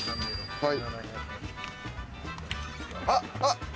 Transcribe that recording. はい。